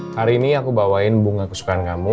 hari ini aku bawain bunga kesukaan kamu